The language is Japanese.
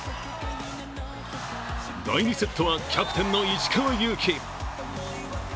第２セットはキャプテンの石川祐希